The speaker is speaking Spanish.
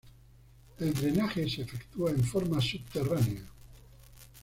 El drenaje se efectúa en forma subterránea.